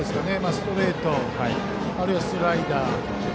ストレート、あるいはスライダー。